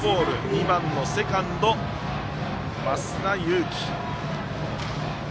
２番のセカンド、増田有紀。